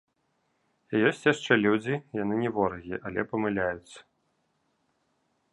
І ёсць яшчэ людзі, яны не ворагі, але памыляюцца.